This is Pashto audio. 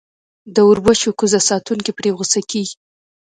د اوربشو کوزه ساتونکی پرې غصه کېږي.